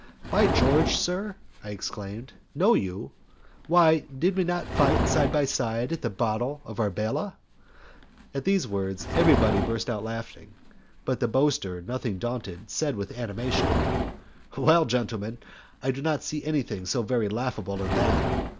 "By George, sir!" I exclaimed, "know you! Why, did we not fight side by side at the battle of Arbela?" At those words everybody burst out laughing, but the boaster, nothing daunted, said, with animation, "Well, gentlemen, I do not see anything so very laughable in that.